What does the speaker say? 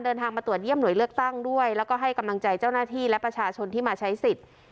เดินทางมาตรวจเยี่ยมหน่วยเลือกตั้งด้วยแล้วก็ให้กำลังใจเจ้าหน้าที่และประชาชนที่มาใช้สิทธิ์